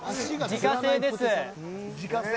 自家製です。